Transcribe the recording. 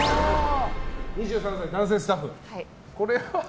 ２３歳、男性スタッフ。